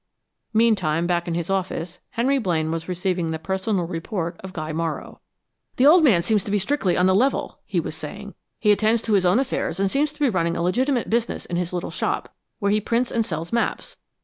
Meantime, back in his office, Henry Blaine was receiving the personal report of Guy Morrow. "The old man seems to be strictly on the level," he was saying. "He attends to his own affairs and seems to be running a legitimate business in his little shop, where he prints and sells maps.